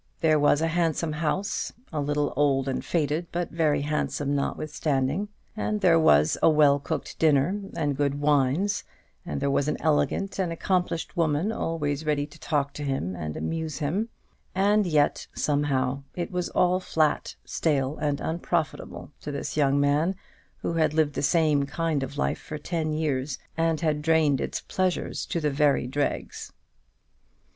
There was a handsome house, a little old and faded, but very handsome notwithstanding; and there was a well cooked dinner, and good wines; and there was an elegant and accomplished woman always ready to talk to him and amuse him; and yet, somehow, it was all flat, stale, and unprofitable to this young man, who had lived the same kind of life for ten years, and had drained its pleasures to the very dregs.